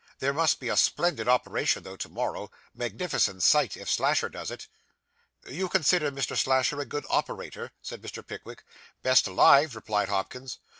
There must be a splendid operation, though, to morrow magnificent sight if Slasher does it.' 'You consider Mr. Slasher a good operator?' said Mr. Pickwick. 'Best alive,' replied Hopkins.